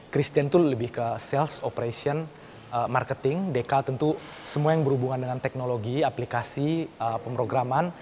christian itu lebih ke sales operation marketing dekal tentu semua yang berhubungan dengan teknologi aplikasi pemrograman